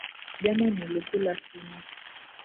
Jana nilikula sima